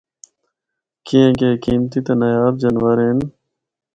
کیانکہ اے قیمتی تے نایاب جانور ہن۔